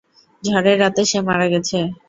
ঝড়ের রাতে সে মারা গেছে।